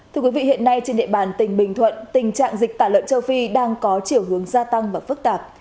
thưa quý vị hiện nay trên địa bàn tỉnh bình thuận tình trạng dịch tả lợn châu phi đang có chiều hướng gia tăng và phức tạp